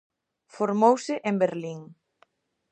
Formouse en Berlín.